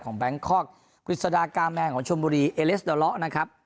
ของแบงคลอกคุณศรรพ์กาแม่ของช่วงบุรีเอเลสเดอะเราะนะครับ